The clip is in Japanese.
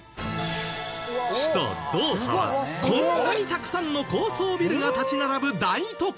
首都ドーハはこんなにたくさんの高層ビルが立ち並ぶ